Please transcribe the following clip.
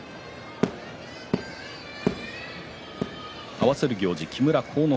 合わせる行司は木村晃之